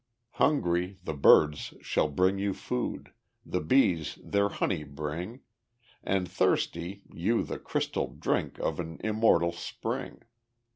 Hungry, the birds shall bring you food, The bees their honey bring; And, thirsty, you the crystal drink Of an immortal spring.